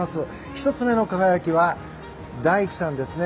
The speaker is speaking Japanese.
１つ目の輝きは大輝さんですね。